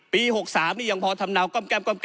ปี๖๓นี่ยังพอทำเนาแก้ม